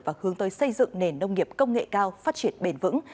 và hướng tới xây dựng nền nông nghiệp công nghệ cao phát triển bền vững